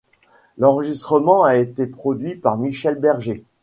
L'enregistrement a été produit par Michel Berger.